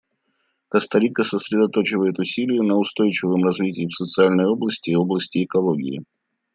Коста-Рика сосредоточивает усилия на устойчивом развитии в социальной области и в области экологии.